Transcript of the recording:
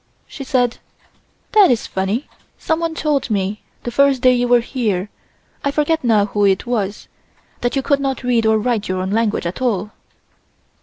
She said: "That is funny, someone told me the first day you were here, I forget now who it was, that you could not read or write your own language at all."